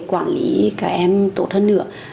quản lý cả em tốt hơn nữa